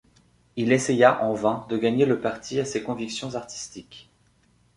Il essaya, en vain, de gagner le parti à ses convictions artistiques.